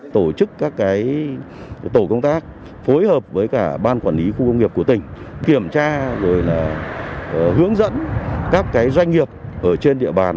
tổ chức các tổ công tác phối hợp với ban quản lý khu công nghiệp của tỉnh kiểm tra hướng dẫn các doanh nghiệp trên địa bàn